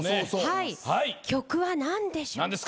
曲は何でしょう？